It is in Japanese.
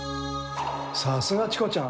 さすがチコちゃん。